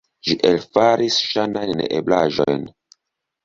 Ĝi elfaris ŝajnajn neeblaĵojn.